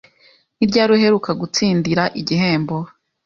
Ni ryari uheruka gutsindira igihembo?